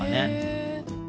え